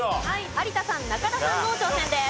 有田さん中田さんの挑戦です。